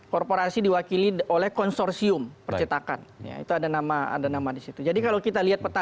korporasi diwakili oleh konsorsium percetakan yaitu ada nama ada nama disitu jadi kalau kita lihat peta